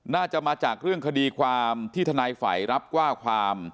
น่าจะมาจากเรื่องคดีความที่ทนายฝ่ายรับว่าความ